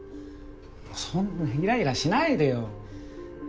そんなイライラしないでよ。